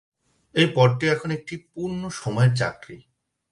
এই পদটি এখন একটি পূর্ণ-সময়ের চাকরি।